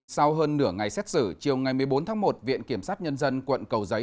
sau hơn nửa ngày xét xử chiều ngày một mươi bốn tháng một viện kiểm sát nhân dân quận cầu giấy